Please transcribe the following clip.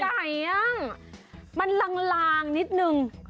ไก่มันลางนิดหนึ่ง